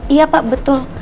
iya pak betul